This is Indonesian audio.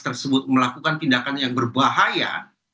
tersebut melakukan tindakan yang berbahaya